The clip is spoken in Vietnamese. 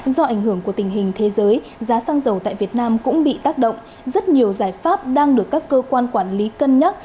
do ảnh hưởng của tình hình thế giới giá xăng dầu tại việt nam cũng bị tác động rất nhiều giải pháp đang được các cơ quan quản lý cân nhắc